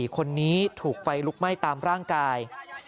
คนนี้ถูกไฟลุกไหม้ตามร่างกาย